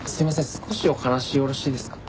少しお話よろしいですか？